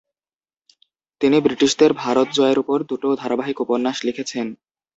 তিনি ব্রিটিশদের ভারত জয়ের উপর দুটো ধারাবাহিক উপন্যাস লিখেছেন।